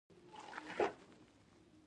د کمپيوټر په نيمه خوا کښې بل تصوير راغى.